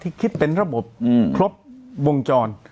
คิดเป็นระบบครบวงจร